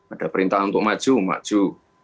ada perintah untuk maju maju